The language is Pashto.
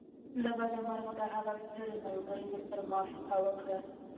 له بده مرغه د هغه ستړي ملګري ورسره موافقه وکړه